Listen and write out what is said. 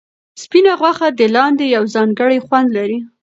سپینه غوښه د لاندي یو ځانګړی خوند لري.